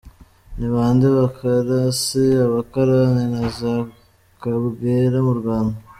– Ni bande bakarasi, abakarani na za kabwera mu Rwanda?